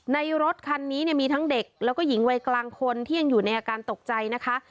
รถคันนี้เนี่ยมีทั้งเด็กแล้วก็หญิงวัยกลางคนที่ยังอยู่ในอาการตกใจนะคะ